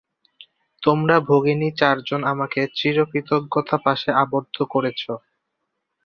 তোমরা ভগিনী চারজন আমাকে চিরকৃতজ্ঞতাপাশে আবদ্ধ করেছ।